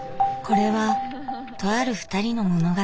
これはとあるふたりの物語。